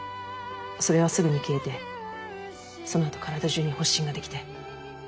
それはすぐに消えてその後体中に発疹ができて。